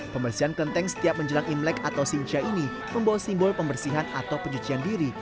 pembersihan kelenteng setiap menjelang imlek atau sinja ini membawa simbol pembersihan atau penyucian diri